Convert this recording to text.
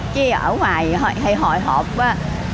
chứ ở ngoài hơi hồi hộp quá